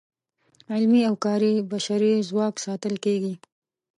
علمي او کاري بشري ځواک ساتل کیږي.